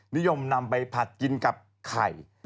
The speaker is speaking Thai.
นิยมนำไปผัดกินกับไข่